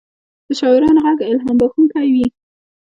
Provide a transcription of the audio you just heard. د شاعرانو ږغ الهام بښونکی وي.